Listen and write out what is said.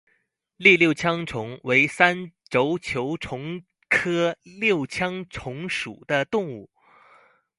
栗六枪虫为三轴球虫科六枪虫属的动物。